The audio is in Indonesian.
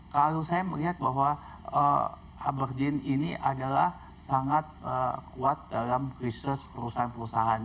kalau saya melihat bahwa uberdin ini adalah sangat kuat dalam krisis perusahaan perusahaan